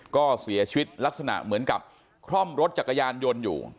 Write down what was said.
ก็เสียชีวิตลักษณะเหมือนกับคล่อมรถจักรยานยนต์อยู่